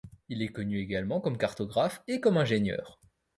Il est connu également comme cartographe et comme ingénieur.